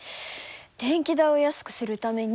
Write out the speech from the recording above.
電気代を安くするために。